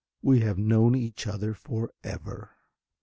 We have known each other for ever.